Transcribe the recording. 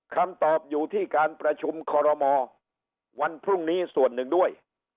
คำตอบอยู่ที่การประชุมคอรมอวันพรุ่งนี้ส่วนหนึ่งด้วย